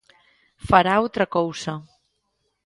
Fará outra cousa.